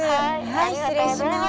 はい失礼します。